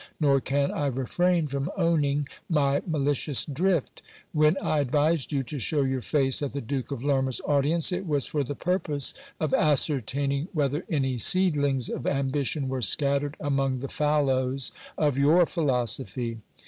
Nor can I refrain from owning my malicious drift ; when I advised you to shew your face at the Duke of Lerma's audience, it was for the purpose of ascertaining whether any seedlings of ambition were scattered anong the fallows of your philosophy.